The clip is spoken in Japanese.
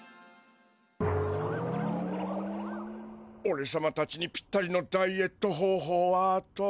おれさまたちにぴったりのダイエットほうほうはと。